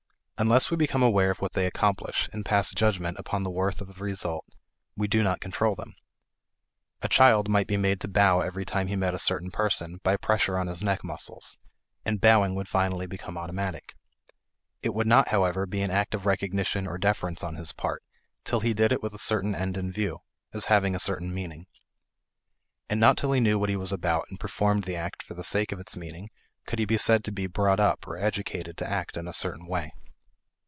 Unless we become aware of what they accomplish, and pass judgment upon the worth of the result, we do not control them. A child might be made to bow every time he met a certain person by pressure on his neck muscles, and bowing would finally become automatic. It would not, however, be an act of recognition or deference on his part, till he did it with a certain end in view as having a certain meaning. And not till he knew what he was about and performed the act for the sake of its meaning could he be said to be "brought up" or educated to act in a certain way.